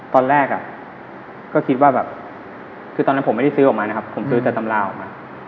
ตอนแรกก็คิดว่าแบบคือตอนนั้นผมไม่ได้ซื้อออกมานะครับผมซื้อแต่ตำราออกมา